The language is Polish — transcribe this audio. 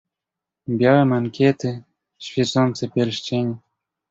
"Białe mankiety, świecące pierścienie."